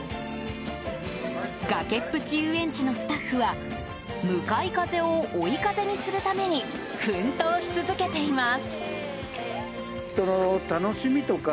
崖っぷち遊園地のスタッフは向かい風を追い風にするために奮闘し続けています。